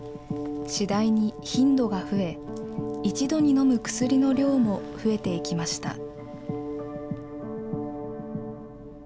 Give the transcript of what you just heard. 次第に頻度が増え、一度に飲む薬の量も増えていきました。